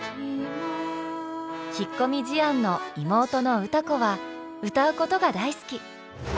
引っ込み思案の妹の歌子は歌うことが大好き。